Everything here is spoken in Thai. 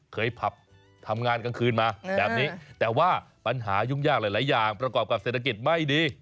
ผับทำงานกลางคืนมาแบบนี้แต่ว่าปัญหายุ่งยากหลายอย่างประกอบกับเศรษฐกิจไม่ดี